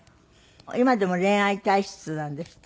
今でも恋愛体質なんですって？